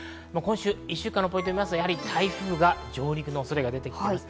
１週間のポイントを見てみますと、台風が上陸のおそれが出ています。